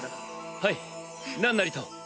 はいなんなりと。